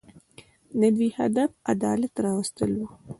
د دوی هدف د عدالت راوستل وو.